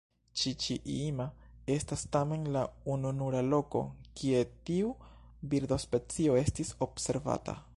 Ĉiĉi-jima estas tamen la ununura loko kie tiu birdospecio estis observata.